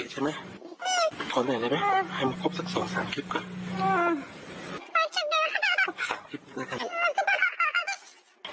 ให้มาครบสักสองสามคลิปก่อนแล้ว